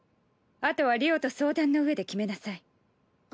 あとはりおと相談のうえで決めなさい。